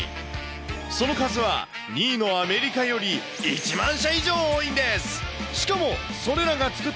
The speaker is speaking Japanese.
その数は、２位のアメリカより１万社以上多いんです。